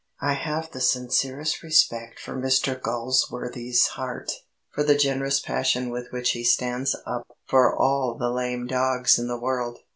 I have the sincerest respect for Mr Galsworthy's heart for the generous passion with which he stands up for all the lame dogs in the world.